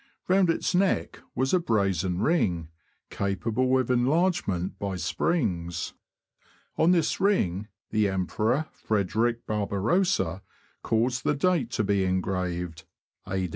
Round its neck was a brazen ring, capable of enlarge ment by springs. On this ring the Emperor Frederick The Pike. Barbarossa caused the date to be engraved A.